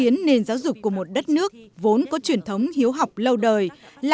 ngoan vâng lời